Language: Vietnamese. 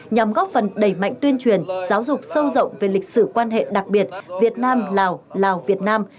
nhằm góp phần đẩy mạnh tuyên truyền giáo dục sâu rộng về lịch sử quan hệ đặc biệt việt nam lào lào việt nam